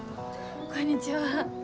こんにちは。